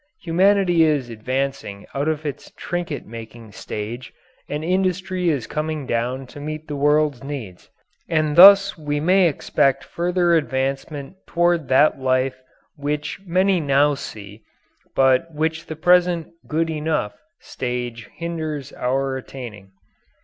Humanity is advancing out of its trinket making stage, and industry is coming down to meet the world's needs, and thus we may expect further advancement toward that life which many now see, but which the present "good enough" stage hinders our attaining.